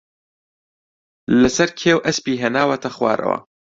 لەسەر کێو ئەسپی ھێناوەتە خوارەوە